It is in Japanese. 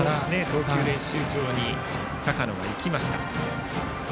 投球練習場に高野が行きました。